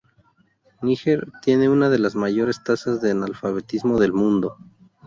Níger tiene una de las mayores tasas de analfabetismo del mundo.